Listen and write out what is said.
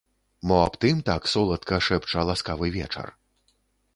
Мо аб тым так соладка шэпча ласкавы вечар?